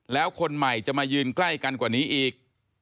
แล้วคนใหม่จะมายืนใกล้กันกว่านี้อีก